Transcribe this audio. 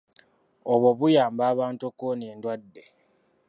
Obwo buyamba abantu okuwona endwadde.